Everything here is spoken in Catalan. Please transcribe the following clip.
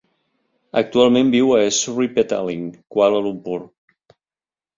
Actualment viu a Sri Petaling, Kuala Lumpur.